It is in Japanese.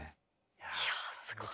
いやすごい。